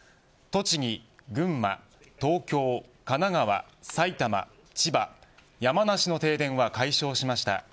栃木、群馬東京、神奈川、埼玉千葉、山梨の停電は解消しました。